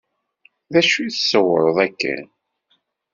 D acu tṣewwreḍ akken?